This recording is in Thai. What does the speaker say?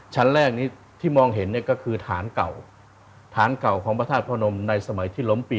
ชั้นแรกนี้ที่มองเห็นเนี่ยก็คือฐานเก่าฐานเก่าของพระธาตุพระนมในสมัยที่ล้มปี